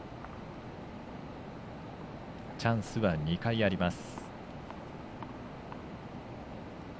チャンスは２回あります。